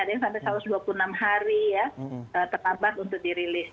ada yang sampai satu ratus dua puluh enam hari ya terlambat untuk dirilis